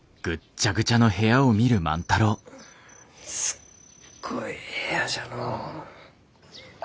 すっごい部屋じゃのう。